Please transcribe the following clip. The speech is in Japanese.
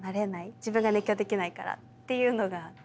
自分が熱狂できないからっていうのがずっと。